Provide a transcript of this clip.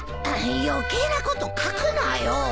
余計なこと書くなよ。